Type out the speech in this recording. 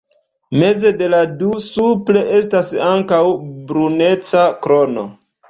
Meze de la du, supre, estas ankaŭ bruneca krono.